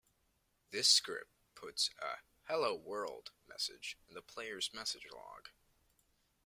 This script puts a "Hello world" message in the player's message log.